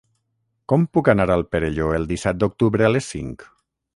Com puc anar al Perelló el disset d'octubre a les cinc?